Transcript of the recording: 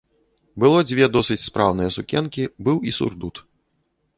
Было дзве досыць спраўныя сукенкі, быў і сурдут.